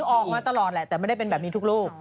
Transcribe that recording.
ออกมาตลอดแหละแต่ไม่ได้เป็นแบบนี้ทุกลูก